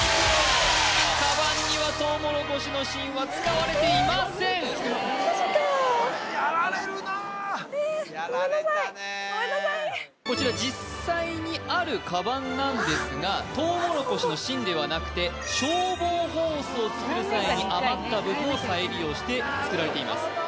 カバンにはトウモロコシの芯は使われていませんやられるなえごめんなさいごめんなさいやられたねこちら実際にあるカバンなんですがなるほどトウモロコシの芯ではなくて消防ホースを作る際に余った部分を再利用して作られています